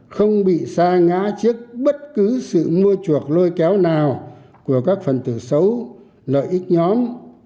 không bị xa ngã trước bất cứ sự mua chuộc lôi kéo nào của các phần tử xấu lợi ích nhóm